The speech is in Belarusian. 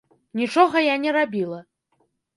Нічога я не рабіла.